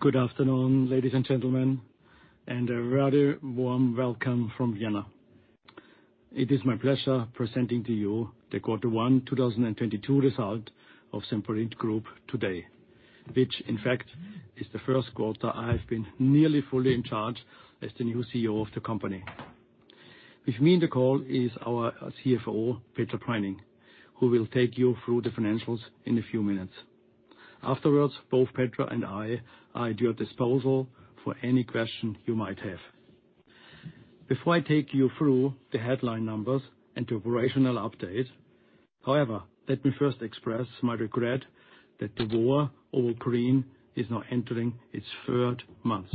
Good afternoon, ladies and gentlemen, and a rather warm welcome from Vienna. It is my pleasure presenting to you the Q1 2022 result of Semperit Group today, which in fact, is the first quarter I have been nearly fully in charge as the new CEO of the company. With me in the call is our CFO, Petra Preining, who will take you through the financials in a few minutes. Afterwards, both Petra and I are at your disposal for any question you might have. Before I take you through the headline numbers and the operational update, however, let me first express my regret that the war over Ukraine is now entering its third month.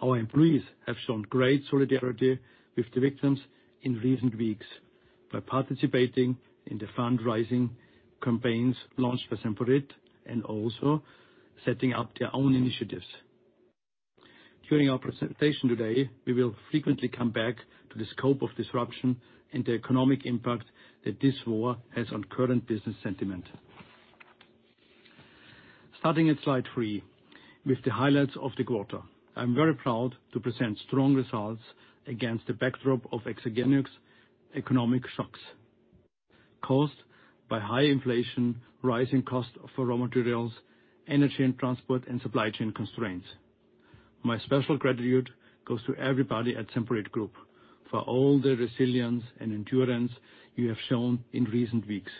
Our employees have shown great solidarity with the victims in recent weeks by participating in the fundraising campaigns launched by Semperit, and also setting up their own initiatives. During our presentation today, we will frequently come back to the scope of disruption and the economic impact that this war has on current business sentiment. Starting at slide three, with the highlights of the quarter. I'm very proud to present strong results against the backdrop of exogenous economic shocks caused by high inflation, rising costs of raw materials, energy and transport, and supply chain constraints. My special gratitude goes to everybody at Semperit Group for all the resilience and endurance you have shown in recent weeks.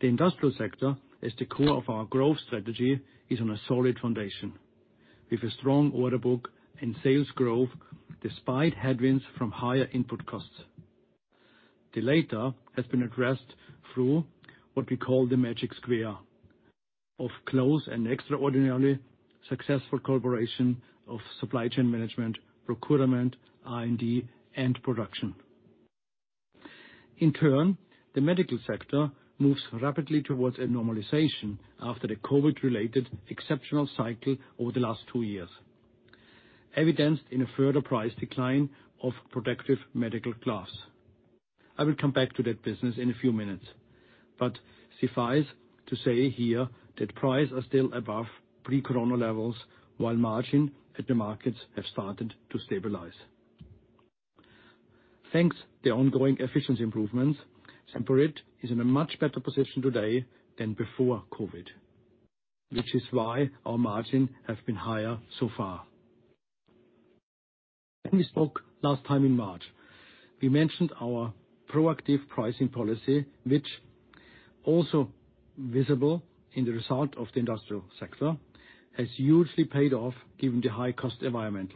The industrial sector is the core of our growth strategy, is on a solid foundation with a strong order book and sales growth despite headwinds from higher input costs. The latter has been addressed through what we call the Magic Square of close and extraordinarily successful cooperation of supply chain management, procurement, R&D, and production. In turn, the medical sector moves rapidly towards a normalization after the COVID-related exceptional cycle over the last two years, evidenced in a further price decline of protective medical gloves. I will come back to that business in a few minutes, but suffice to say here that prices are still above pre-corona levels while margins in the markets have started to stabilize. Thanks to the ongoing efficiency improvements, Semperit is in a much better position today than before COVID, which is why our margins have been higher so far. When we spoke last time in March, we mentioned our proactive pricing policy, which is also visible in the results of the industrial sector, has hugely paid off given the high-cost environment.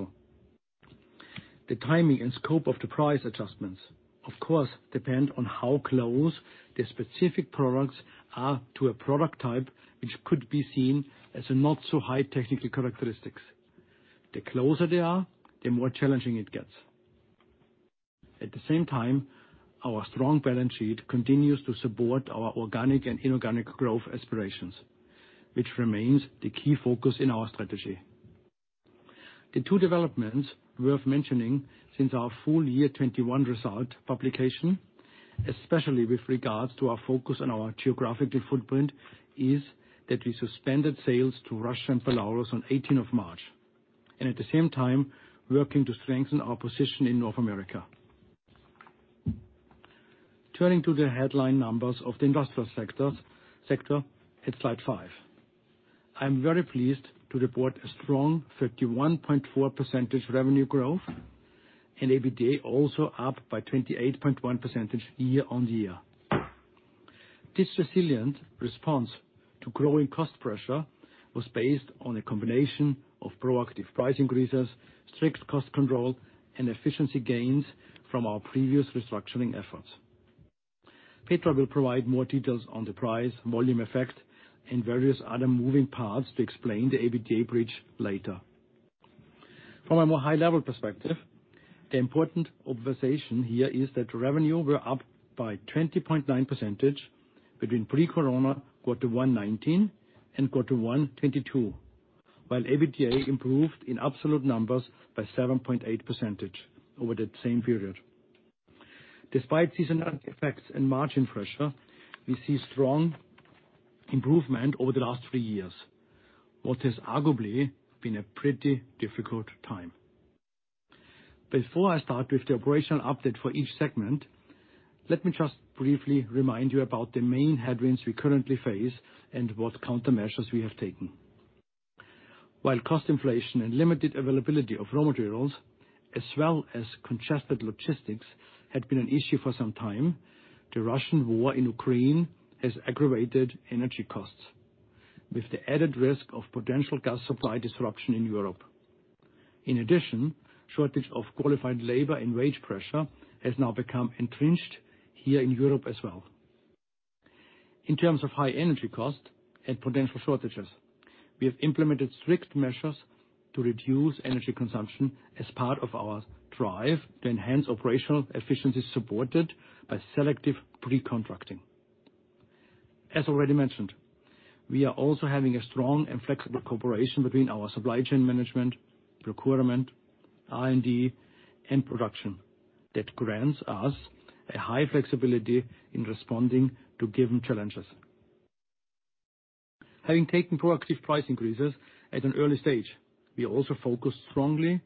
The timing and scope of the price adjustments of course depend on how close the specific products are to a product type which could be seen as a not so high technical characteristics. The closer they are, the more challenging it gets. At the same time, our strong balance sheet continues to support our organic and inorganic growth aspirations, which remains the key focus in our strategy. The two developments worth mentioning since our full year 2021 result publication, especially with regards to our focus on our geographical footprint, is that we suspended sales to Russia and Belarus on 18th of March. At the same time, working to strengthen our position in North America. Turning to the headline numbers of the industrial sector at slide five. I'm very pleased to report a strong 31.4% revenue growth and EBITDA also up by 28.1% year-on-year. This resilient response to growing cost pressure was based on a combination of proactive price increases, strict cost control, and efficiency gains from our previous restructuring efforts. Petra will provide more details on the price-volume effect and various other moving parts to explain the EBITDA bridge later. From a more high-level perspective, the important observation here is that revenue were up by 20.9% between pre-corona quarter one 2019 and quarter one 2022, while EBITDA improved in absolute numbers by 7.8% over that same period. Despite seasonal effects and margin pressure, we see strong improvement over the last three years. What has arguably been a pretty difficult time. Before I start with the operational update for each segment, let me just briefly remind you about the main headwinds we currently face and what countermeasures we have taken. While cost inflation and limited availability of raw materials as well as congested logistics had been an issue for some time, the Russian war in Ukraine has aggravated energy costs with the added risk of potential gas supply disruption in Europe. In addition, shortage of qualified labor and wage pressure has now become entrenched here in Europe as well. In terms of high energy cost and potential shortages, we have implemented strict measures to reduce energy consumption as part of our drive to enhance operational efficiency supported by selective pre-contracting. As already mentioned, we are also having a strong and flexible cooperation between our supply chain management, procurement, R&D, and production that grants us a high flexibility in responding to given challenges. Having taken proactive price increases at an early stage, we also focus strongly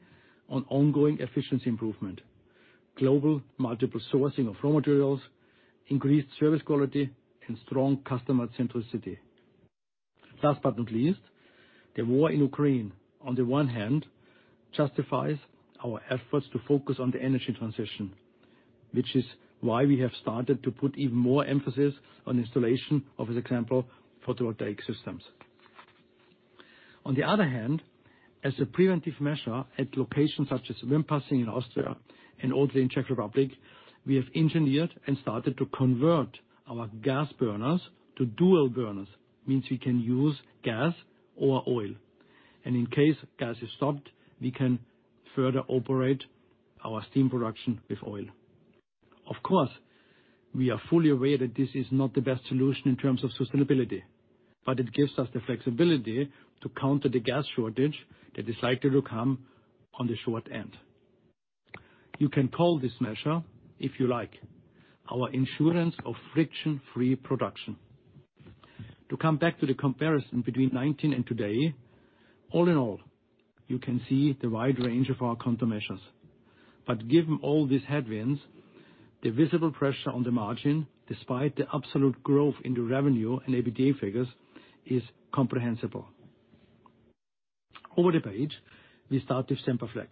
on ongoing efficiency improvement, global multiple sourcing of raw materials, increased service quality, and strong customer centricity. Last but not least, the war in Ukraine, on the one hand, justifies our efforts to focus on the energy transition, which is why we have started to put even more emphasis on installation of, as example, photovoltaic systems. On the other hand, as a preventive measure at locations such as Wimpassing in Austria and Odry in Czech Republic, we have engineered and started to convert our gas burners to dual burners, means we can use gas or oil. In case gas is stopped, we can further operate our steam production with oil. Of course, we are fully aware that this is not the best solution in terms of sustainability, but it gives us the flexibility to counter the gas shortage that is likely to come on the short end. You can call this measure, if you like, our insurance of friction-free production. To come back to the comparison between 2019 and today, all in all, you can see the wide range of our countermeasures. Given all these headwinds, the visible pressure on the margin, despite the absolute growth in the revenue and EBITDA figures, is comprehensible. Over the page, we start with Semperflex,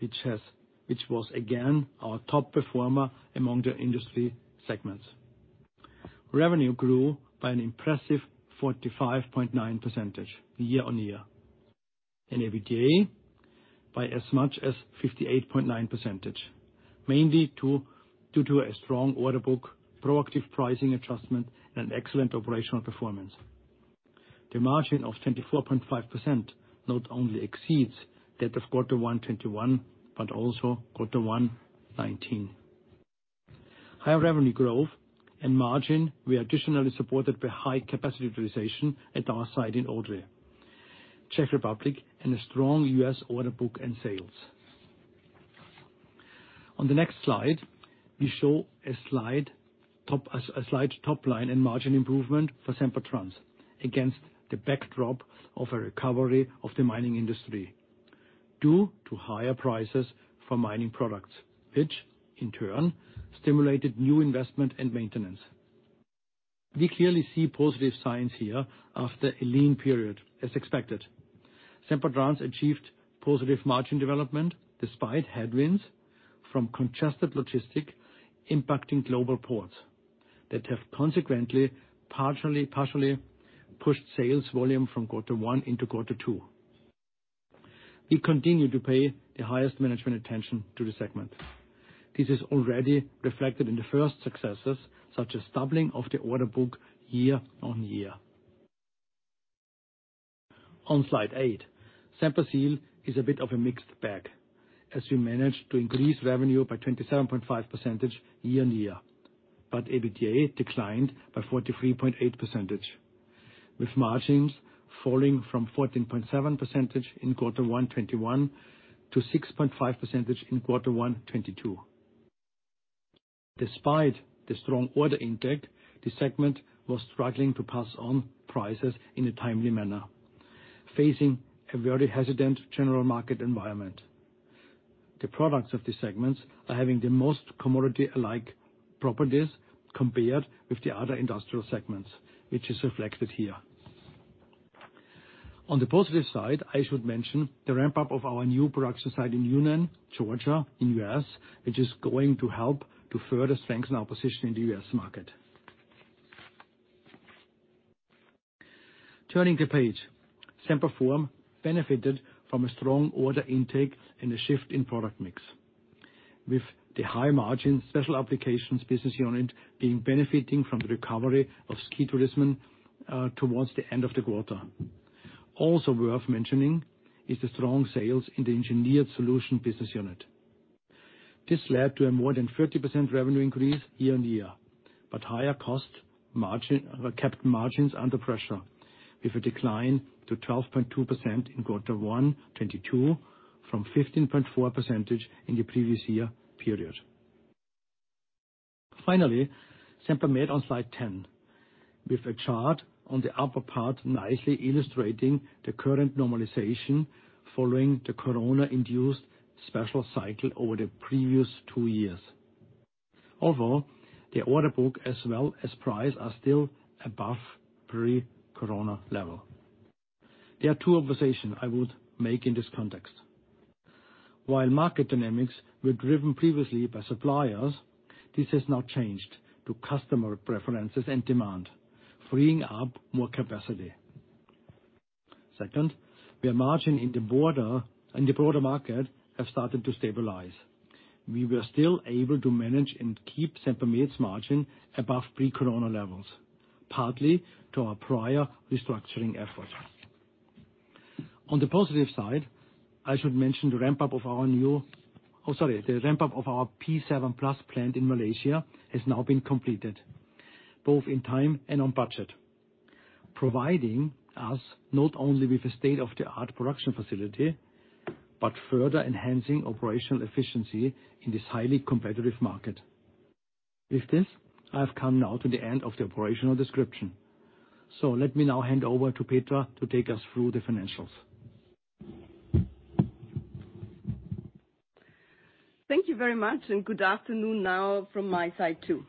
which was again our top performer among the industry segments. Revenue grew by an impressive 45.9% year-on-year, and EBITDA by as much as 58.9%, mainly due to a strong order book, proactive pricing adjustment, and excellent operational performance. The margin of 24.5% not only exceeds that of Q1 2021, but also Q1 2019. High revenue growth and margin were additionally supported by high capacity utilization at our site in Odry, Czech Republic, and a strong U.S. order book and sales. On the next slide, we show a top line and margin improvement for Sempertrans against the backdrop of a recovery of the mining industry due to higher prices for mining products, which in turn stimulated new investment and maintenance. We clearly see positive signs here after a lean period, as expected. Sempertrans achieved positive margin development despite headwinds from congested logistics impacting global ports that have consequently partially pushed sales volume from quarter one into quarter two. We continue to pay the highest management attention to the segment. This is already reflected in the first successes, such as doubling of the order book year-on-year. On slide eight, Semperseal is a bit of a mixed bag, as we managed to increase revenue by 27.5% year-on-year. EBITDA declined by 43.8%, with margins falling from 14.7% in quarter one 2021 to 6.5% in quarter one 2022. Despite the strong order intake, the segment was struggling to pass on prices in a timely manner, facing a very hesitant general market environment. The products of the segments are having the most commodity-alike properties compared with the other industrial segments, which is reflected here. On the positive side, I should mention the ramp-up of our new production site in Union, Georgia in the U.S., which is going to help to further strengthen our position in the U.S. market. Turning the page, Semperform benefited from a strong order intake and a shift in product mix, with the high margin special applications business unit benefiting from the recovery of ski tourism towards the end of the quarter. Also worth mentioning is the strong sales in the engineered solution business unit. This led to a more than 30% revenue increase year-on-year, but kept margins under pressure, with a decline to 12.2% in quarter one 2022, from 15.4% in the previous year period. Finally, Sempermed on slide 10, with a chart on the upper part nicely illustrating the current normalization following the corona-induced special cycle over the previous two years. Although the order book as well as price are still above pre-corona level. There are two observations I would make in this context. While market dynamics were driven previously by suppliers, this has now changed to customer preferences and demand, freeing up more capacity. Second, the margin in the broader market have started to stabilize. We were still able to manage and keep Sempermed's margin above pre-corona levels, partly to our prior restructuring efforts. On the positive side, I should mention the ramp-up of our new. The ramp-up of our P7+ plant in Malaysia has now been completed, both in time and on budget, providing us not only with a state-of-the-art production facility, but further enhancing operational efficiency in this highly competitive market. With this, I've come now to the end of the operational description. Let me now hand over to Petra to take us through the financials. Thank you very much, and good afternoon now from my side too.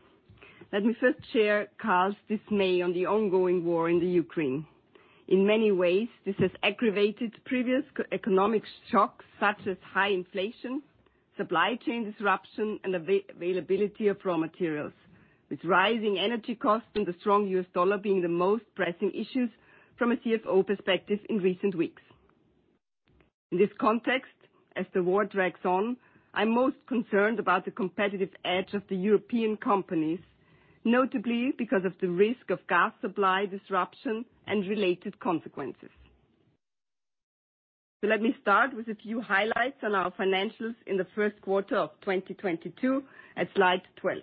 Let me first share Karl's dismay on the ongoing war in the Ukraine. In many ways, this has aggravated previous economic shocks such as high inflation, supply chain disruption, and availability of raw materials. With rising energy costs and the strong US dollar being the most pressing issues from a CFO perspective in recent weeks. In this context, as the war drags on, I'm most concerned about the competitive edge of the European companies, notably because of the risk of gas supply disruption and related consequences. Let me start with a few highlights on our financials in the first quarter of 2022 at slide 12.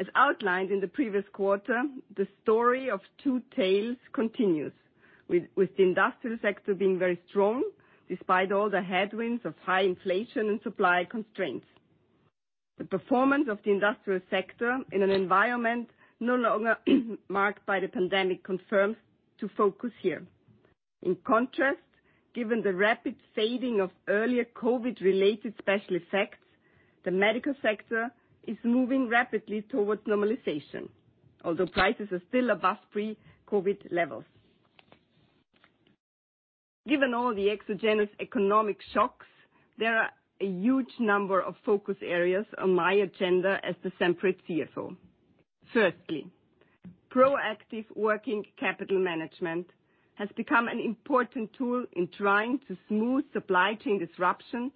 As outlined in the previous quarter, the story of two tales continues, with the industrial sector being very strong despite all the headwinds of high inflation and supply constraints. The performance of the industrial sector in an environment no longer marked by the pandemic confirms the focus here. In contrast, given the rapid fading of earlier COVID-related special effects, the medical sector is moving rapidly towards normalization, although prices are still above pre-COVID levels. Given all the exogenous economic shocks, there are a huge number of focus areas on my agenda as the Semperit CFO. Firstly, proactive working capital management has become an important tool in trying to smooth supply chain disruption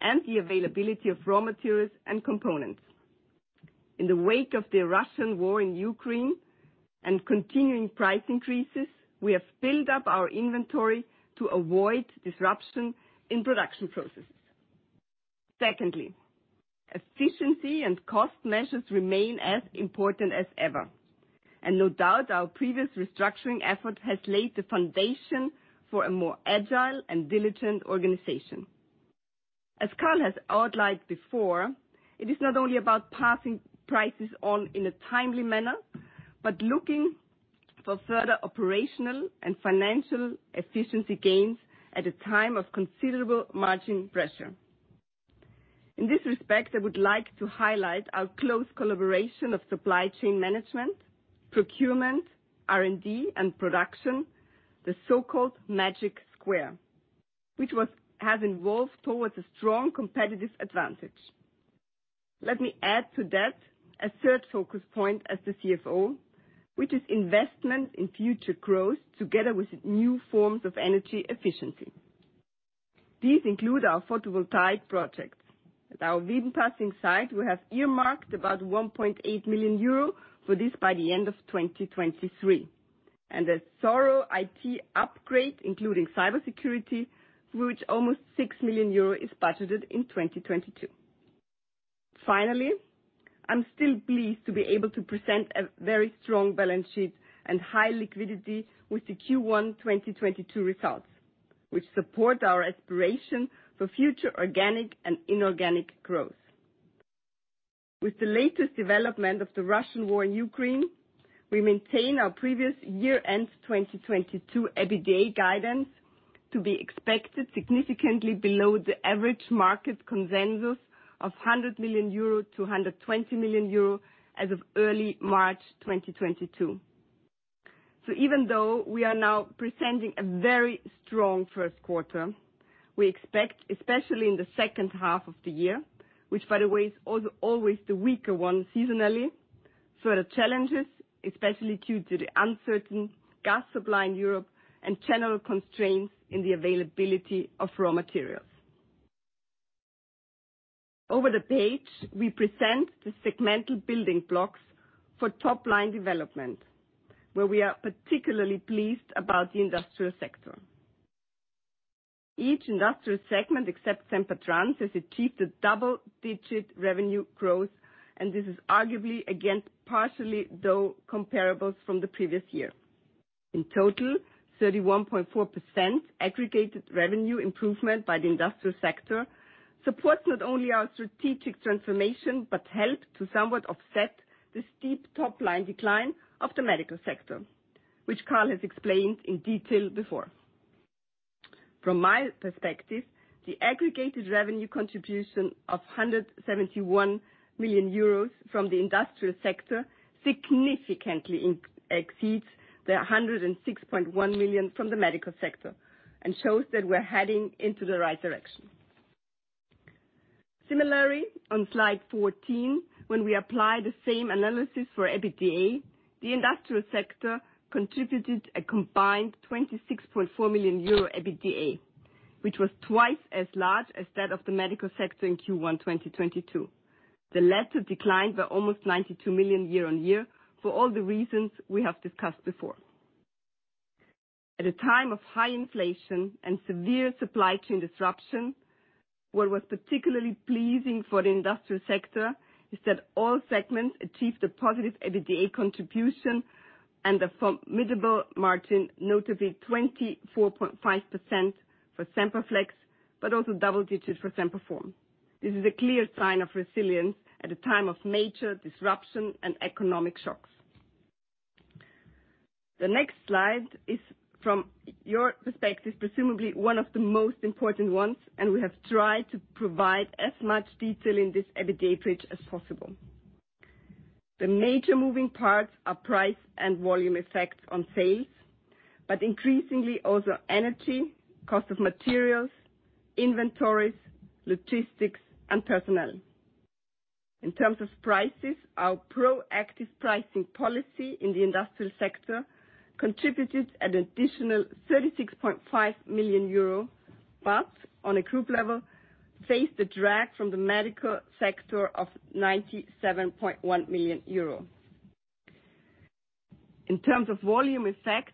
and the availability of raw materials and components. In the wake of the Russian war in Ukraine and continuing price increases, we have built up our inventory to avoid disruption in production processes. Secondly, efficiency and cost measures remain as important as ever, and no doubt our previous restructuring effort has laid the foundation for a more agile and diligent organization. As Karl has outlined before, it is not only about passing prices on in a timely manner, but looking for further operational and financial efficiency gains at a time of considerable margin pressure. In this respect, I would like to highlight our close collaboration of supply chain management, procurement, R&D, and production, the so-called Magic Square, which has evolved towards a strong competitive advantage. Let me add to that a third focus point as the CFO, which is investment in future growth together with new forms of energy efficiency. These include our photovoltaic projects. At our Wimpassing site, we have earmarked about 1.8 million euro for this by the end of 2023, and a thorough IT upgrade, including cybersecurity, for which almost 6 million euro is budgeted in 2022. Finally, I'm still pleased to be able to present a very strong balance sheet and high liquidity with the Q1 2022 results, which support our aspiration for future organic and inorganic growth. With the latest development of the Russian war in Ukraine, we maintain our previous year-end 2022 EBITDA guidance to be expected significantly below the average market consensus of 100 million-120 million euro as of early March 2022. Even though we are now presenting a very strong first quarter, we expect, especially in the second half of the year, which by the way is always the weaker one seasonally, further challenges, especially due to the uncertain gas supply in Europe and general constraints in the availability of raw materials. Over the page, we present the segmental building blocks for top-line development, where we are particularly pleased about the industrial sector. Each industrial segment, except Sempertrans, has achieved a double-digit revenue growth, and this is arguably against partially tough comparables from the previous year. In total, 31.4% aggregated revenue improvement by the industrial sector supports not only our strategic transformation, but help to somewhat offset the steep top-line decline of the medical sector, which Karl has explained in detail before. From my perspective, the aggregated revenue contribution of 171 million euros from the industrial sector significantly exceeds the 106.1 million from the medical sector and shows that we're heading into the right direction. Similarly, on slide 14, when we apply the same analysis for EBITDA, the industrial sector contributed a combined 26.4 million euro EBITDA, which was twice as large as that of the medical sector in Q1 2022. The latter declined by almost 92 million year-over-year for all the reasons we have discussed before. At a time of high inflation and severe supply chain disruption, what was particularly pleasing for the industrial sector is that all segments achieved a positive EBITDA contribution and a formidable margin, notably 24.5% for Semperflex, but also double digits for Semperform. This is a clear sign of resilience at a time of major disruption and economic shocks. The next slide is from your perspective, presumably one of the most important ones, and we have tried to provide as much detail in this EBITDA bridge as possible. The major moving parts are price and volume effects on sales, but increasingly also energy, cost of materials, inventories, logistics, and personnel. In terms of prices, our proactive pricing policy in the industrial sector contributed an additional 36.5 million euro, but on a group level, faced a drag from the medical sector of 97.1 million euro. In terms of volume effects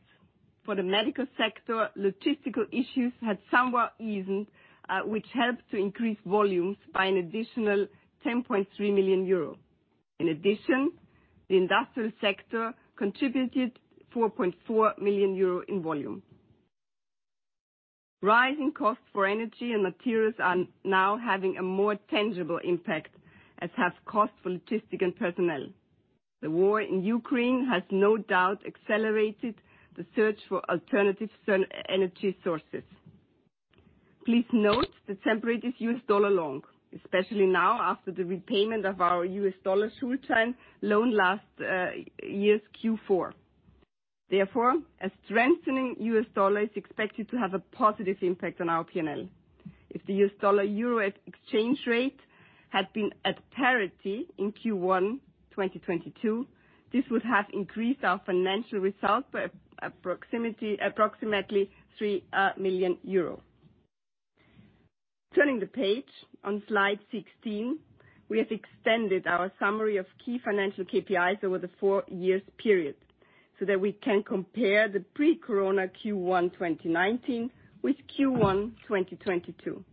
for the medical sector, logistical issues had somewhat eased, which helped to increase volumes by an additional 10.3 million euro. In addition, the industrial sector contributed 4.4 million euro in volume. Rising costs for energy and materials are now having a more tangible impact, as have costs for logistics and personnel. The war in Ukraine has no doubt accelerated the search for alternative energy sources. Please note that Semperit is US dollar long, especially now after the repayment of our US dollar Schuldschein loan last year's Q4. Therefore, a strengthening US dollar is expected to have a positive impact on our P&L. If the US dollar/euro exchange rate had been at parity in Q1 2022, this would have increased our financial result by approximately 3 million euro. Turning the page on slide 16, we have extended our summary of key financial KPIs over the four-year period so that we can compare the pre-corona Q1 2019 with Q1 2022.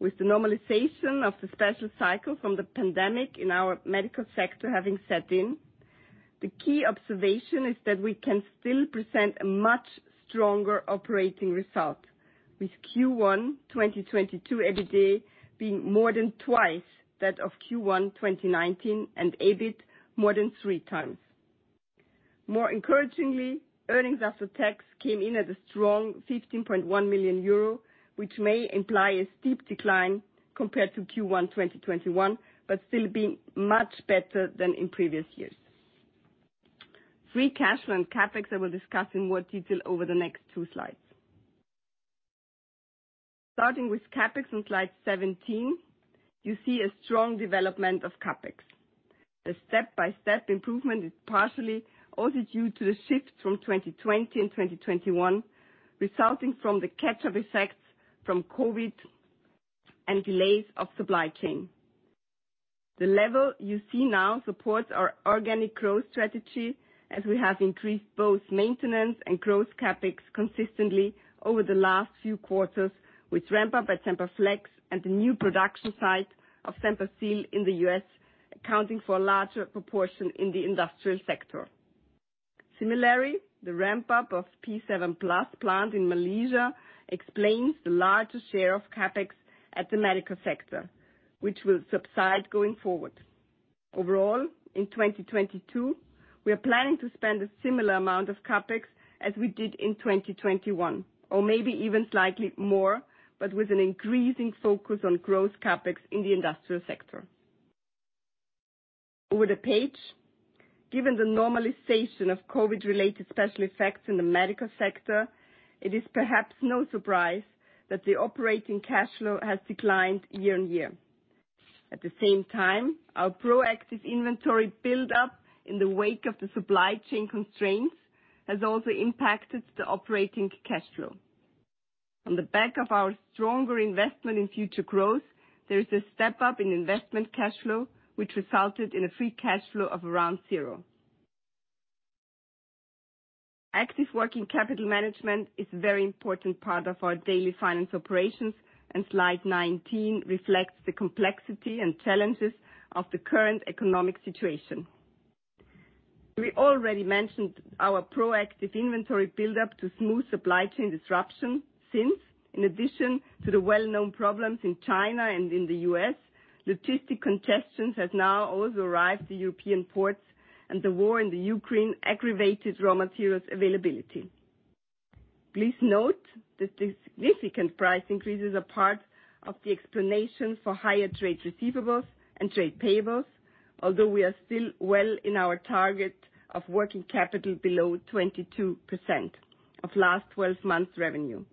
With the normalization of the special cycle from the pandemic in our medical sector having set in, the key observation is that we can still present a much stronger operating result. With Q1 2022 EBITDA being more than twice that of Q1 2019, and EBIT more than 3x. More encouragingly, earnings after tax came in at a strong 15.1 million euro, which may imply a steep decline compared to Q1 2021, but still be much better than in previous years. Free cash flow and CapEx, I will discuss in more detail over the next two slides. Starting with CapEx on slide 17, you see a strong development of CapEx. The step-by-step improvement is partially also due to the shift from 2020 and 2021, resulting from the catch-up effects from COVID and delays of supply chain. The level you see now supports our organic growth strategy, as we have increased both maintenance and growth CapEx consistently over the last few quarters, with ramp-up at Semperflex and the new production site of Semperseal in the U.S. accounting for a larger proportion in the industrial sector. Similarly, the ramp-up of P7+ plant in Malaysia explains the larger share of CapEx at the medical sector, which will subside going forward. Overall, in 2022, we are planning to spend a similar amount of CapEx as we did in 2021, or maybe even slightly more, but with an increasing focus on growth CapEx in the industrial sector. Over the page, given the normalization of COVID-related special effects in the medical sector, it is perhaps no surprise that the operating cash flow has declined year-over-year. At the same time, our proactive inventory build-up in the wake of the supply chain constraints has also impacted the operating cash flow. On the back of our stronger investment in future growth, there is a step-up in investment cash flow, which resulted in a free cash flow of around 0. Active working capital management is a very important part of our daily finance operations, and slide 19 reflects the complexity and challenges of the current economic situation. We already mentioned our proactive inventory build-up to smooth supply chain disruption since, in addition to the well-known problems in China and in the U.S., logistics congestion has now also arrived to European ports, and the war in the Ukraine aggravated raw materials availability. Please note that the significant price increases are part of the explanation for higher trade receivables and trade payables, although we are still well in our target of working capital below 22% of last 12 months revenue.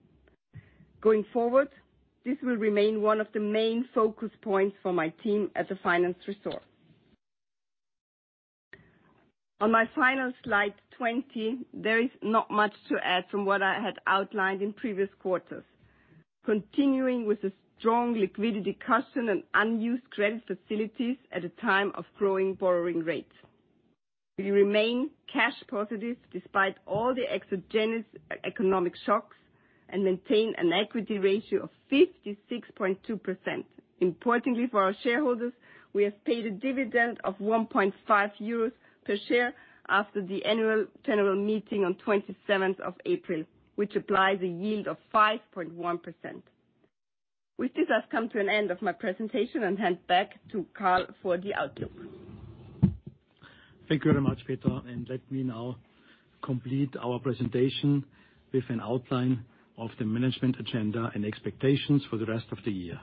Going forward, this will remain one of the main focus points for my team at the finance resource. On my final slide 20, there is not much to add from what I had outlined in previous quarters. Continuing with thhttps://editor.inflexiontranscribe.com/static/media/icon-stop.c66f93825c3f48c23a40e2e9d93da074.svge strong liquidity position and unused credit facilities at a time of growing borrowing rates. We remain cash positive despite all the exogenous economic shocks, and maintain an equity ratio of 56.2%. Importantly for our shareholders, we have paid a dividend of 1.5 euros per share after the annual general meeting on 27th of April, which applies a yield of 5.1%. With this, I've come to an end of my presentation and hand back to Karl for the outlook. Thank you very much, Petra, and let me now complete our presentation with an outline of the management agenda and expectations for the rest of the year.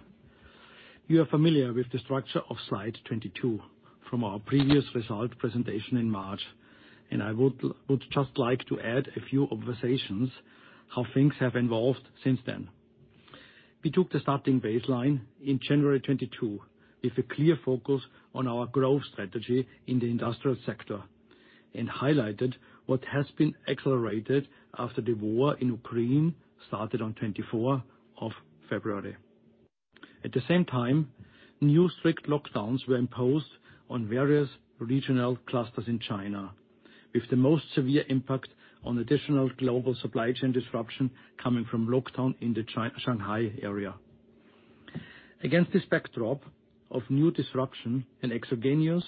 You are familiar with the structure of slide 22 from our previous result presentation in March, and I would just like to add a few observations how things have evolved since then. We took the starting baseline in January 2022, with a clear focus on our growth strategy in the industrial sector, and highlighted what has been accelerated after the war in Ukraine started on 24th of February. At the same time, new strict lockdowns were imposed on various regional clusters in China, with the most severe impact on additional global supply chain disruption coming from lockdown in the Shanghai area. Against this backdrop of new disruption and exogenous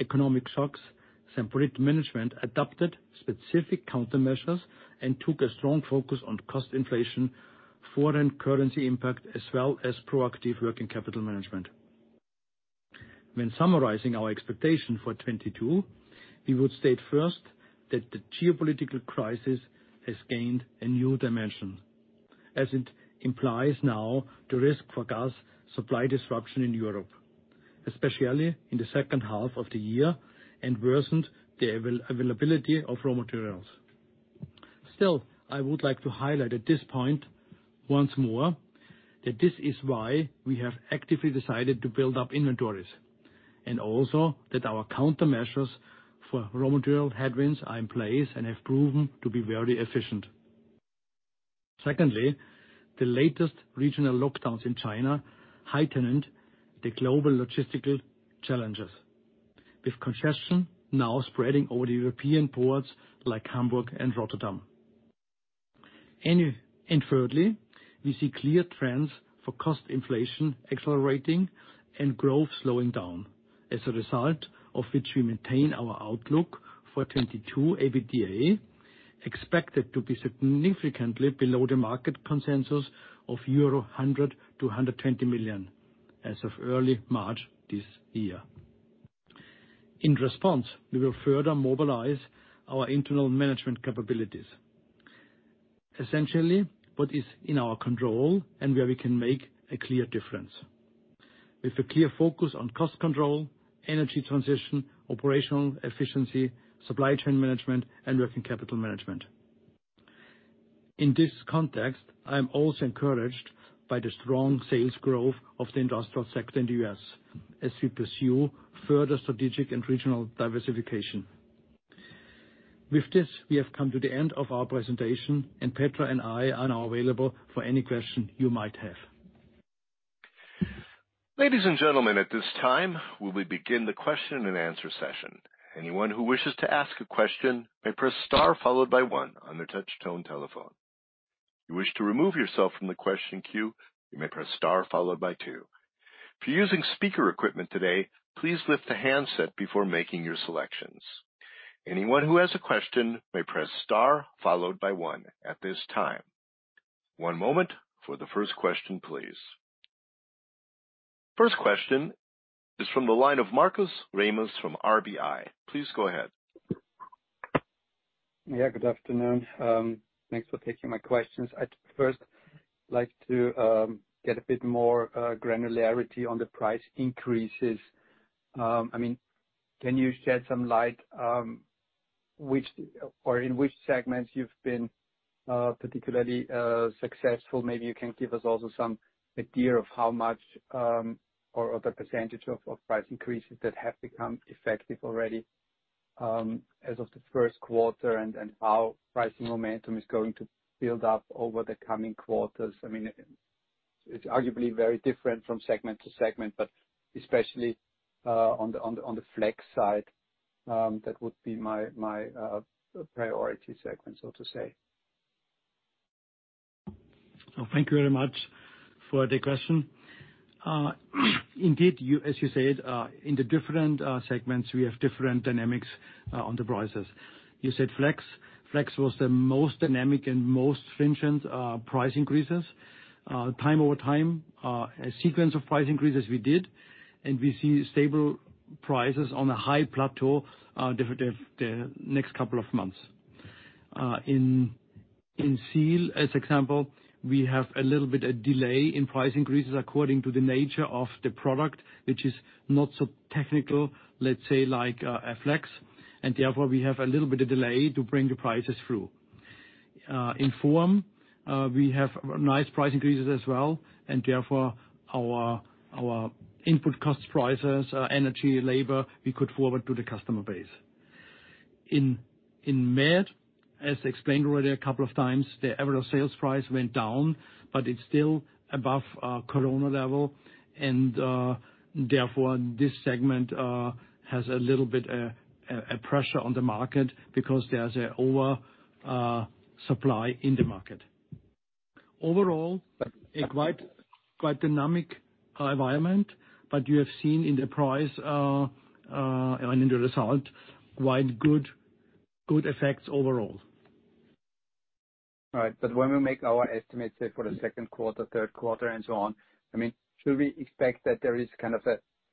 economic shocks, Semperit management adopted specific countermeasures and took a strong focus on cost inflation, foreign currency impact, as well as proactive working capital management. When summarizing our expectation for 2022, we would state first that the geopolitical crisis has gained a new dimension, as it implies now the risk for gas supply disruption in Europe, especially in the second half of the year, and worsened the availability of raw materials. Still, I would like to highlight at this point once more, that this is why we have actively decided to build up inventories, and also that our countermeasures for raw material headwinds are in place and have proven to be very efficient. Secondly, the latest regional lockdowns in China heightened the global logistical challenges, with congestion now spreading over the European ports like Hamburg and Rotterdam. Thirdly, we see clear trends for cost inflation accelerating and growth slowing down. As a result of which we maintain our outlook for 2022 EBITDA expected to be significantly below the market consensus of euro 100- 120 million as of early March this year. In response, we will further mobilize our internal management capabilities. Essentially, what is in our control and where we can make a clear difference. With a clear focus on cost control, energy transition, operational efficiency, supply chain management, and working capital management. In this context, I am also encouraged by the strong sales growth of the industrial sector in the U.S. as we pursue further strategic and regional diversification. With this, we have come to the end of our presentation, and Petra and I are now available for any question you might have. Ladies and gentlemen, at this time, we will begin the question and answer session. Anyone who wishes to ask a question may press star followed by one on their touch tone telephone. You wish to remove yourself from the question queue, you may press star followed by two. If you're using speaker equipment today, please lift the handset before making your selections. Anyone who has a question may press star followed by one at this time. One moment for the first question, please. First question is from the line of Markus Remis from RBI. Please go ahead. Yeah, good afternoon. Thanks for taking my questions. I'd first like to get a bit more granularity on the price increases. I mean, can you shed some light which or in which segments you've been particularly successful? Maybe you can give us also some idea of how much or the percentage of price increases that have become effective already as of the first quarter and how pricing momentum is going to build up over the coming quarters. I mean, it's arguably very different from segment to segment, but especially on the Semperflex side, that would be my priority segment, so to say. Thank you very much for the question. Indeed, you, as you said, in the different segments, we have different dynamics on the prices. You said Semperflex. Flex was the most dynamic and most stringent price increases. Time over time, a sequence of price increases we did, and we see stable prices on a high plateau, the next couple of months. In Semperseal, as example, we have a little bit of delay in price increases according to the nature of the product, which is not so technical, let's say like a Semperflex, and therefore, we have a little bit of delay to bring the prices through. In Semperform, we have nice price increases as well and therefore our input cost prices, energy, labor, we could forward to the customer base. In Sempermed, as explained already a couple of times, the average sales price went down, but it's still above our Corona level. Therefore, this segment has a little bit of a pressure on the market because there's an oversupply in the market. Overall, a quite dynamic environment. You have seen in the price and in the result, quite good effects overall. All right. When we make our estimates, say for the second quarter, third quarter and so on, I mean, should we expect that there is kind of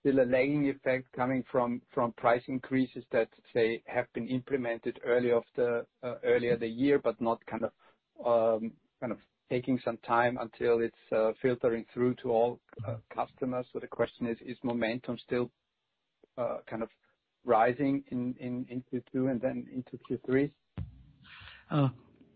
still a lagging effect coming from price increases that, say, have been implemented early in the year but not kind of taking some time until it's filtering through to all customers? The question is: Is momentum still kind of rising in Q2 and then into Q3?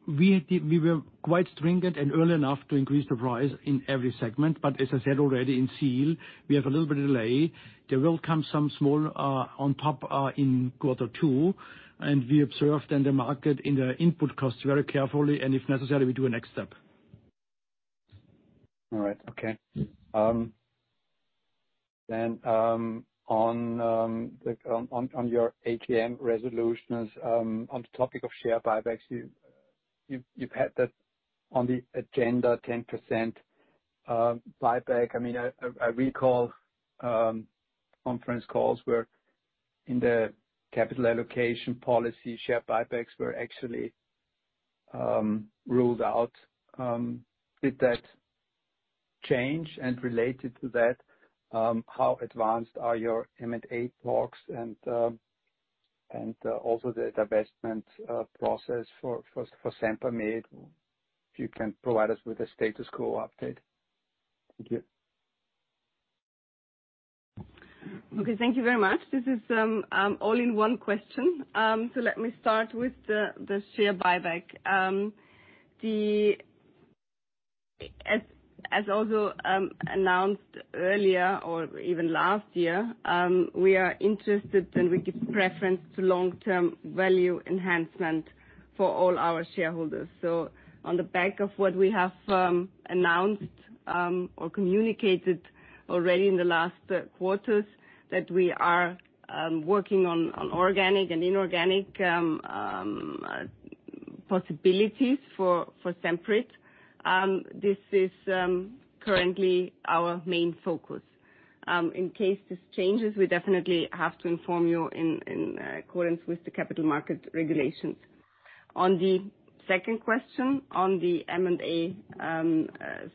We were quite stringent and early enough to increase the price in every segment. As I said already in Semperseal, we have a little bit of delay. There will come some small on top in quarter two, and we observed in the market in the input costs very carefully, and if necessary, we do a next step. All right. Okay. On your AGM resolutions, on the topic of share buybacks, you've had that on the agenda 10% buyback. I mean, I recall conference calls where in the capital allocation policy, share buybacks were actually ruled out. Did that change? Related to that, how advanced are your M&A talks and also the divestment process for Sempermed? If you can provide us with a status quo update. Thank you. Okay. Thank you very much. This is all in one question. Let me start with the share buyback. As also announced earlier or even last year, we are interested and we give preference to long-term value enhancement for all our shareholders. On the back of what we have announced or communicated already in the last quarters, that we are working on organic and inorganic possibilities for Semperit. This is currently our main focus. In case this changes, we definitely have to inform you in accordance with the capital market regulations. On the second question, on the M&A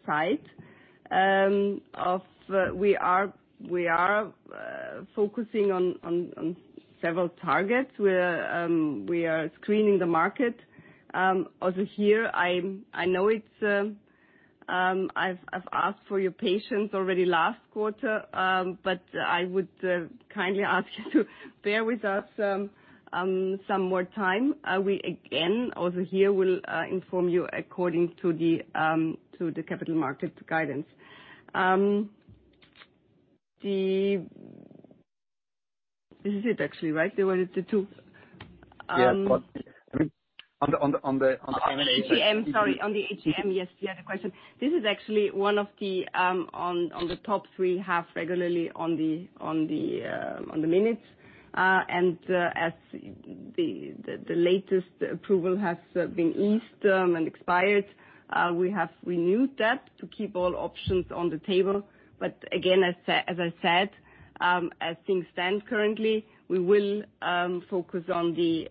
side, we are focusing on several targets. We're screening the market over here. I know it's. I've asked for your patience already last quarter, but I would kindly ask you to bear with us some more time. We again over here will inform you according to the capital market guidance. This is it actually, right? There were the two Yeah. I mean, on the M&A. On the AGM. Yes. The other question. This is actually one of the top three asked regularly on the minutes. As the latest approval has been issued and expired, we have renewed that to keep all options on the table. Again, as I said, as things stand currently, we will focus on the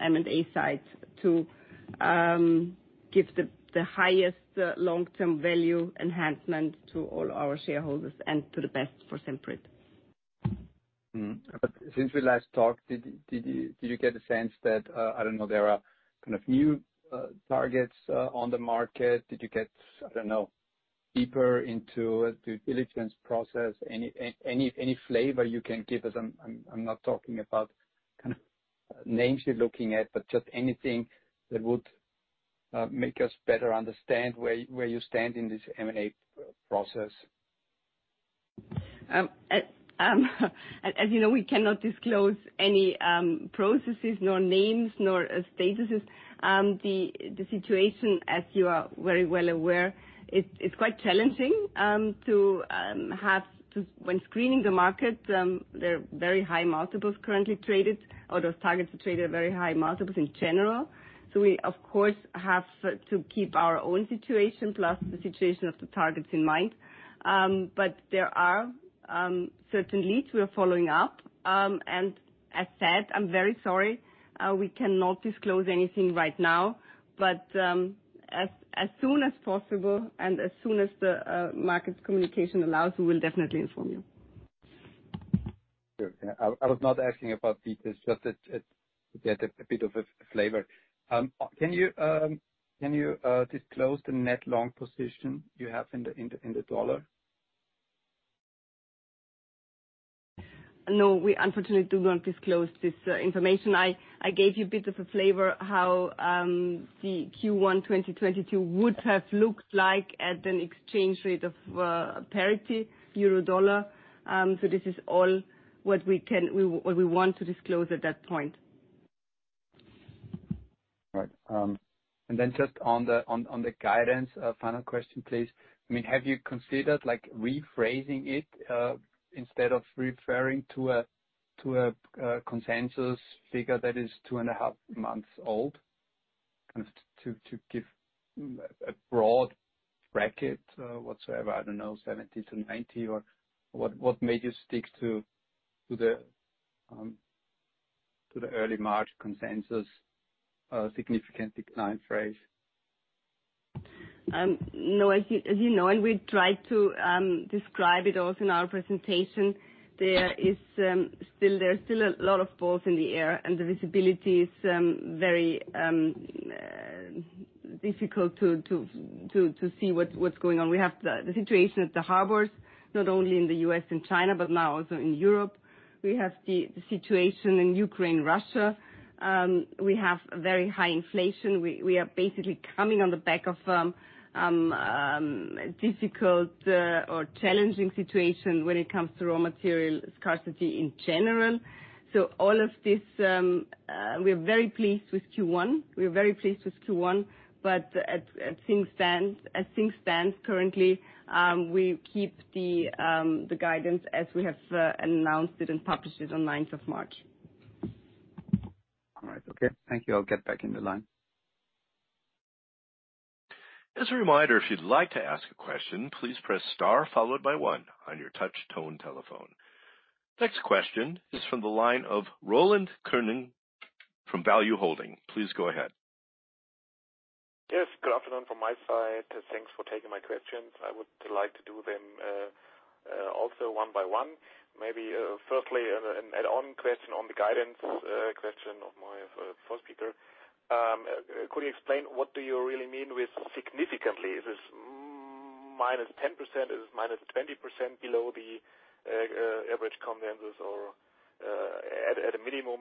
M&A side to give the highest long-term value enhancement to all our shareholders and to the best for Semperit. Since we last talked, did you get a sense that, I don't know, there are kind of new targets on the market? Did you get, I don't know, deeper into the diligence process? Any flavor you can give us? I'm not talking about kind of names you're looking at, but just anything that would make us better understand where you stand in this M&A process. As you know, we cannot disclose any processes, nor names, nor statuses. The situation, as you are very well aware, it's quite challenging. When screening the market, there are very high multiples currently traded, or those targets are traded at very high multiples in general. We of course have to keep our own situation plus the situation of the targets in mind. There are certain leads we are following up. As said, I'm very sorry, we cannot disclose anything right now. As soon as possible and as soon as the market communication allows, we will definitely inform you. Sure. Yeah. I was not asking about details, just to get a bit of a flavor. Can you disclose the net long position you have in the dollar? No, we unfortunately do not disclose this information. I gave you a bit of a flavor how the Q1 2022 would have looked like at an exchange rate of parity euro/dollar. This is all what we want to disclose at that point. Right. Then just on the guidance, a final question, please. I mean, have you considered like rephrasing it, instead of referring to a consensus figure that is two and a half months old, kind of to give a broad bracket, whatsoever, I don't know, 70%-90%, or what made you stick to the early March consensus significant decline phrase? No, as you know, we tried to describe it also in our presentation. There are still a lot of balls in the air, and the visibility is very difficult to see what's going on. We have the situation at the harbors, not only in the U.S. and China, but now also in Europe. We have the situation in Ukraine, Russia. We have very high inflation. We are basically coming on the back of a difficult or challenging situation when it comes to raw material scarcity in general. All of this, we're very pleased with Q1. As things stand currently, we keep the guidance as we have announced it and published it on ninth of March. All right. Okay. Thank you. I'll get back in the line. As a reminder, if you'd like to ask a question, please press star followed by one on your touch tone telephone. Next question is from the line of Roland Könen from Value-Holdings. Please go ahead. Yes, good afternoon from my side. Thanks for taking my questions. I would like to do them also one by one. Maybe firstly, an add-on question on the guidance question of my first speaker. Could you explain what do you really mean with significantly? Is this -10%? Is this -20% below the average consensus or at a minimum,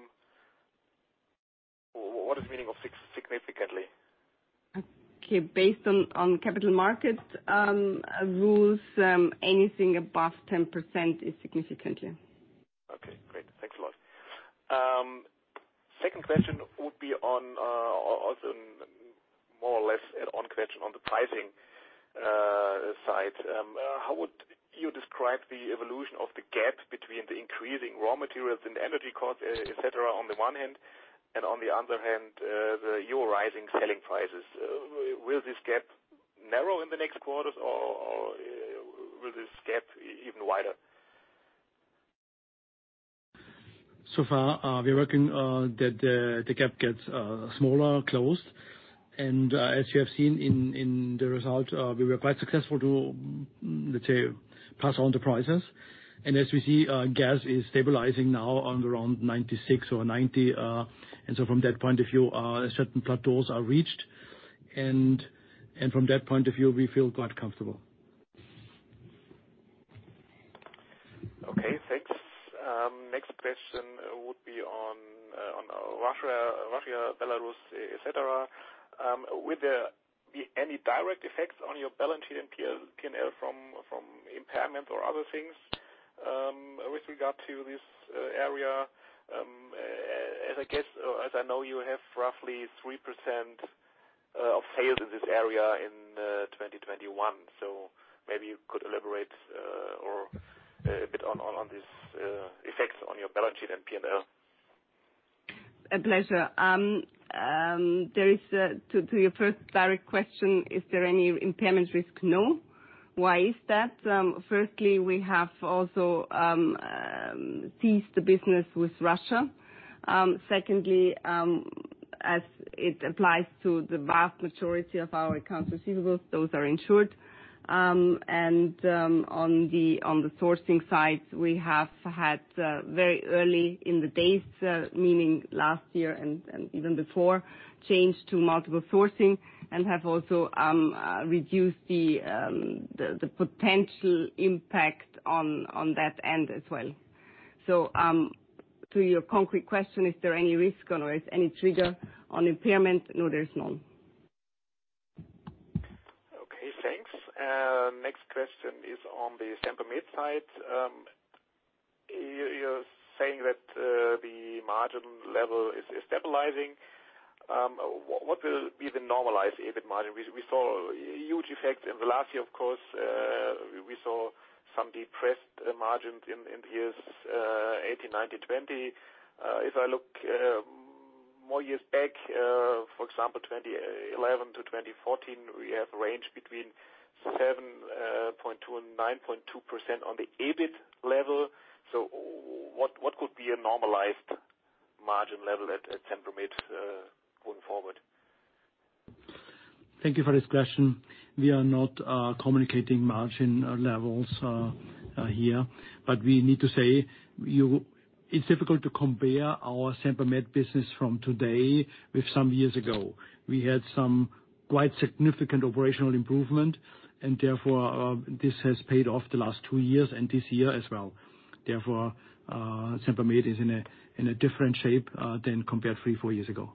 what is the meaning of significantly? Okay. Based on capital market rules, anything above 10% is significantly. Okay, great. Thanks a lot. Second question would be also more or less on the pricing side. How would you describe the evolution of the gap between the increasing raw materials and energy costs, et cetera, on the one hand, and on the other hand, your rising selling prices? Will this gap narrow in the next quarters or will this gap even wider? So far, we're working that the gap gets smaller, closed. As you have seen in the result, we were quite successful to, let's say, pass on the prices. As we see, gas is stabilizing now on around 96 million or 90 million, and so from that point of view, certain plateaus are reached. From that point of view, we feel quite comfortable. Okay, thanks. Next question would be on Russia, Belarus, et cetera. Would there be any direct effects on your balance sheet and P&L from impairment or other things with regard to this area? As I guess, as I know, you have roughly 3% of sales in this area in 2021. Maybe you could elaborate or a bit on this effects on your balance sheet and P&L. A pleasure. To your first direct question, is there any impairment risk? No. Why is that? Firstly, we have also ceased the business with Russia. Secondly, as it applies to the vast majority of our accounts receivables, those are insured. On the sourcing side, we have had very early in the days, meaning last year and even before, changed to multiple sourcing and have also reduced the potential impact on that end as well. To your concrete question, is there any risk or is any trigger on impairment? No, there's none. Okay, thanks. Next question is on the Sempermed side. You're saying that the margin level is stabilizing. What will be the normalized EBIT margin? We saw a huge effect in the last year, of course. We saw some depressed margins in years 2018, 2019, 2020. If I look more years back, for example, 2011 to 2014, we have range between 7.2% and 9.2% on the EBIT level. What could be a normalized margin level at Sempermed going forward? Thank you for this question. We are not communicating margin levels here, but we need to say it's difficult to compare our Sempermed business from today with some years ago. We had some quite significant operational improvement, and therefore, this has paid off the last two years and this year as well. Therefore, Sempermed is in a different shape than compared three, four years ago.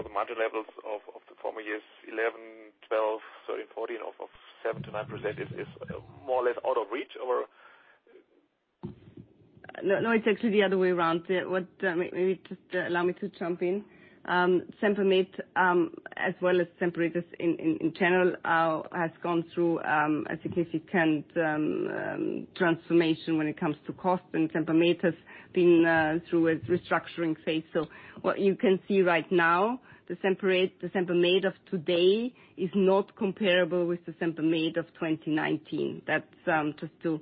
The margin levels of the former years, 2011, 2012, 2013, 2014 of 7%-9% is more or less out of reach or? No, it's actually the other way around. Maybe just allow me to jump in. Sempermed, as well as Semperit in general, has gone through a significant transformation when it comes to cost, and Sempermed has been through a restructuring phase. What you can see right now, the Sempermed of today is not comparable with the Sempermed of 2019. That's just to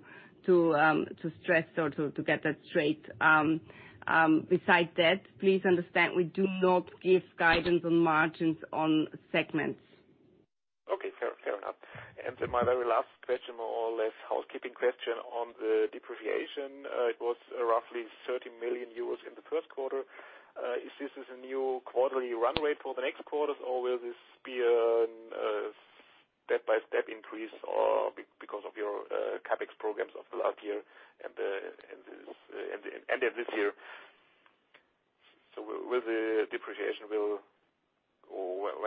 stress or to get that straight. Besides that, please understand we do not give guidance on margins on segments. Okay. Fair enough. My very last question, more or less housekeeping question on the depreciation. It was roughly 30 million euros in the first quarter. Is this a new quarterly run rate for the next quarters, or will this be a step-by-step increase because of your CapEx programs of the last year and this and the end of this year? Will the depreciation go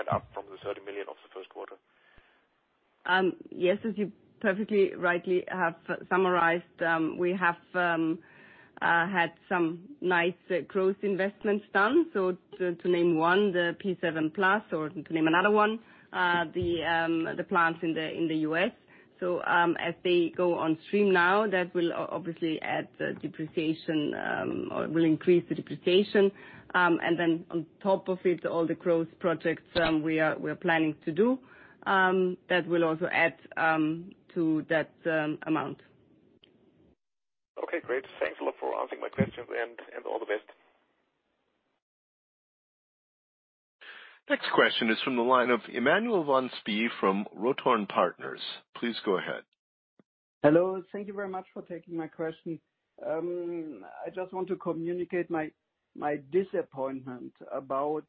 up from the 30 million of the first quarter? Yes, as you perfectly rightly have summarized, we have had some nice growth investments done. To name one, the P7+, or to name another one, the plants in the US. As they go on stream now, that will obviously add the depreciation, or will increase the depreciation. Then on top of it, all the growth projects we are planning to do, that will also add to that amount. Okay, great. Thanks a lot for answering my questions, and all the best. Next question is from the line of Emanuel von Spee from Rothorn Partners. Please go ahead. Hello. Thank you very much for taking my question. I just want to communicate my disappointment about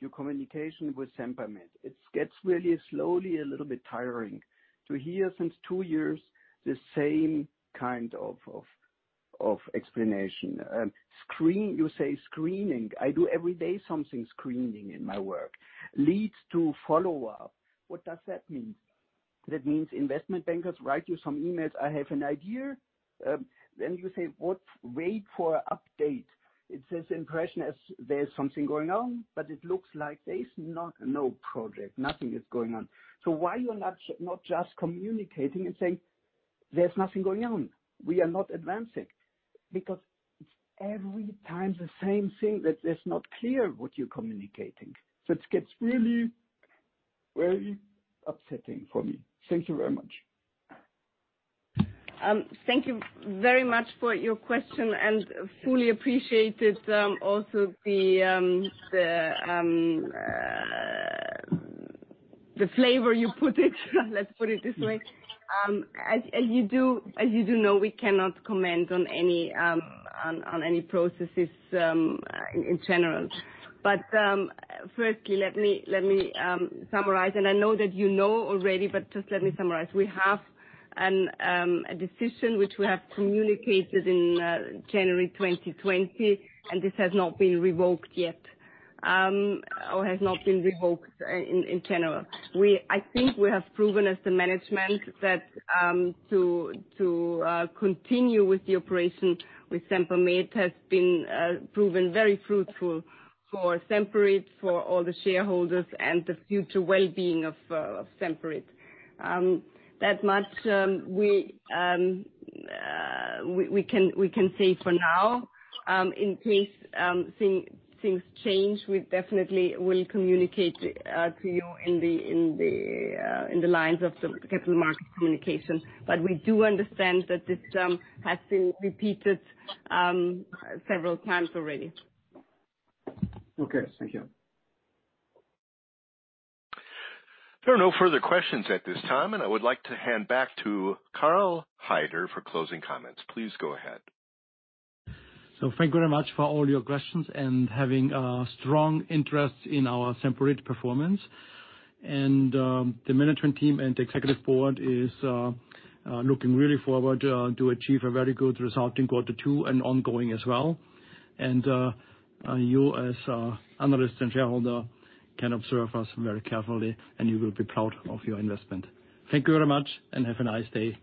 your communication with Sempermed. It gets really slowly a little bit tiring to hear since two years the same kind of explanation. You say screening. I do every day something screening in my work. Leads to follow-up. What does that mean? That means investment bankers write you some emails, "I have an idea." Then you say, "What? Wait for update." It gives the impression that there's something going on, but it looks like there is not no project. Nothing is going on. Why you're not just communicating and saying, "There's nothing going on. We are not advancing." Because it's every time the same thing that it's not clear what you're communicating. It gets really, really upsetting for me. Thank you very much. Thank you very much for your question and I fully appreciate, also the way you put it, let's put it this way. As you do know, we cannot comment on any processes in general. Firstly, let me summarize, and I know that you know already, but just let me summarize. We have a decision which we have communicated in January 2020, and this has not been revoked yet, or has not been revoked in general. I think we have proven as the management that to continue with the operation with Sempermed has been proven very fruitful for Semperit, for all the shareholders and the future well-being of Semperit. That much, we can say for now. In case things change, we definitely will communicate to you in line with the capital market communication. We do understand that this has been repeated several times already. Okay. Thank you. There are no further questions at this time, and I would like to hand back to Karl Haider for closing comments. Please go ahead. Thank you very much for all your questions and having a strong interest in our Semperit performance. The management team and the executive board is looking really forward to achieve a very good result in quarter two and ongoing as well. You as analyst and shareholder can observe us very carefully, and you will be proud of your investment. Thank you very much, and have a nice day.